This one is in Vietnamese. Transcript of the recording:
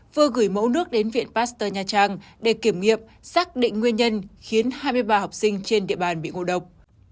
vừa gửi mẫu nước đến viện pasteur nha trang để kiểm nghiệm xác định nguyên nhân khiến hai mươi ba học sinh trên địa bàn bị ngộ độc